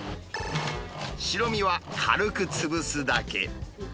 白身は軽く潰すだけ。